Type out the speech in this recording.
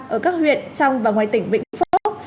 ở các huyện trong và ngoài tỉnh vĩnh phúc